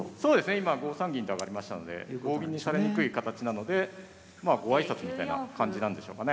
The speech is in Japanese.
今５三銀と上がりましたので棒銀にされにくい形なのでまあご挨拶みたいな感じなんでしょうかね。